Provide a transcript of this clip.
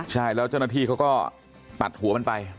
ใช่แล้วเจ้าหน้าที่เขาก็ตัดหัวมันไป